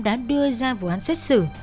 đã đưa ra vụ án xét xử